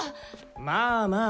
まあまあ。